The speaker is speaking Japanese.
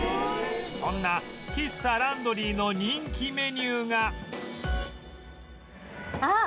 そんな喫茶ランドリーの人気メニューがあっ！